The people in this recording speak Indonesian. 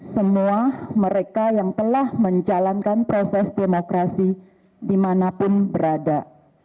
semua mereka yang telah menjalankan proses demokrasi dimanapun berada